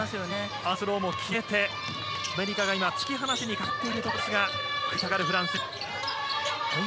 ワンスローも決めてアメリカが突き放しにかかっているところですが食い下がるフランス。